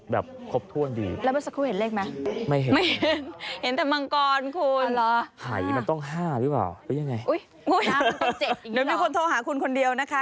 เดี๋ยวมีคนโทรหาคุณคนเดียวนะคะ